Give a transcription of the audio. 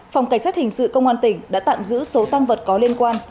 phòng cảnh sát hình sự công an tỉnh đã tạm giữ số tăng vật có liên quan